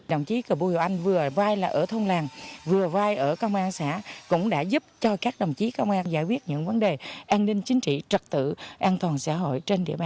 đồng chí cờ bùi hồ anh vừa vai là ở thôn làng vừa vai ở công an xã cũng đã giúp cho các đồng chí công an giải quyết những vấn đề an ninh chính trị trật tự an toàn xã hội